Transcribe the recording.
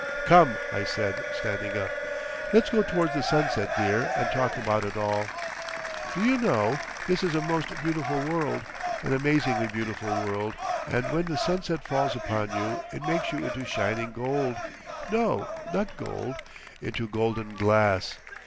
"Come!" I said, standing up; "let's go towards the sunset, dear, and talk about it all. Do you know—this is a most beautiful world, an amazingly beautiful world, and when the sunset falls upon you it makes you into shining gold. No, not gold—into golden glass....